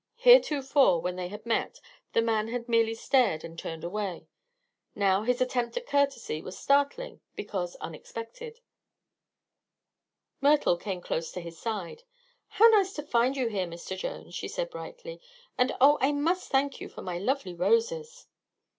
Heretofore, when they had met, the man had merely stared and turned away, now his attempt at courtesy was startling because unexpected. Myrtle came close to his side. "How nice to find you here, Mr. Jones," she said brightly. "And oh, I must thank you for my lovely roses."